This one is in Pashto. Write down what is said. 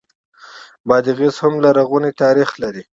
بادغیس هم لرغونی تاریخ لري